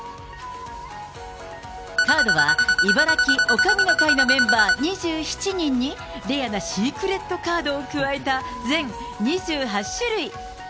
カードは、茨城女将の会のメンバー２７人に、レアなシークレットカードを加えた全２８種類。